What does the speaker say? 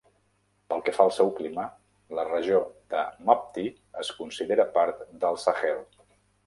Pel que fa al seu clima, la regió de Mopti es considera part del Sahel.